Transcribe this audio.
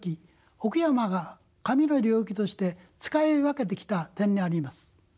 奥山が神の領域として使い分けてきた点にあります。